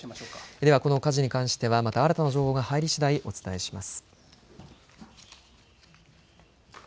ではこの火事に関してはまた新たな情報が入りしだいお伝えします。